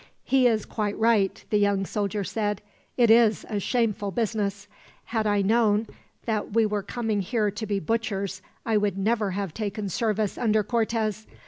"He is quite right," the young soldier said. "It is a shameful business. Had I known that we were coming here to be butchers, I would never have taken service under Cortez.